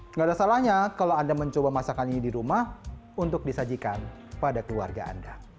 tidak ada salahnya kalau anda mencoba masakan ini di rumah untuk disajikan pada keluarga anda